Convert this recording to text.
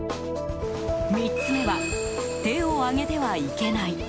３つ目は手を上げてはいけない。